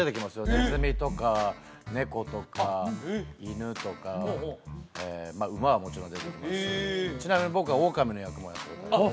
ネズミとか猫とか犬とか馬はもちろん出てきますしちなみに僕はオオカミの役もやったことがあります